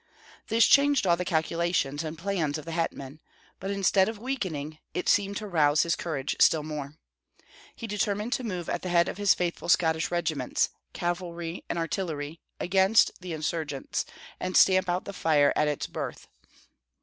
This changed all the calculations and plans of the hetman; but instead of weakening, it seemed to rouse his courage still more. He determined to move at the head of his faithful Scottish regiments, cavalry and artillery, against the insurgents, and stamp out the fire at its birth.